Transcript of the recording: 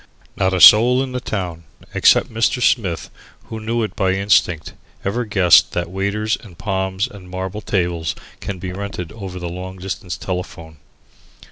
Not a soul in the town except Mr. Smith, who knew it by instinct, ever guessed that waiters and palms and marble tables can be rented over the long distance telephone.